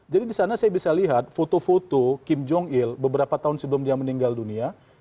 jadi disana saya bisa lihat foto foto kim jong il beberapa tahun sebelum dia meninggal dunia